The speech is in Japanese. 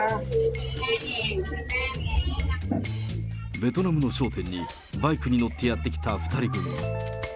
ベトナムの商店に、バイクに乗ってやって来た２人組。